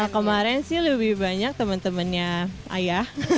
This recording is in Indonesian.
kemaren sih lebih banyak temen temennya ayah